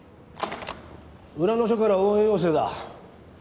浦野署から応援要請だ。